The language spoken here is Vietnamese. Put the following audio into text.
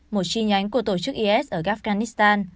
một chi nhánh của tổ chức is ở afghanistan